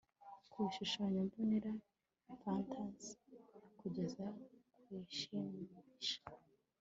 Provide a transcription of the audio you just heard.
kubishushanyo mbonera fantasi kugeza kwishimisha